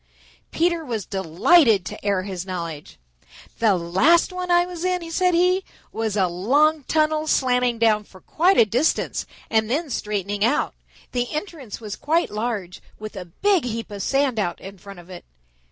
Peter was delighted to air his knowledge. "The last one I was in," said he, "was a long tunnel slanting down for quite a distance and then straightening out. The entrance was quite large with a big heap of sand out in front of it.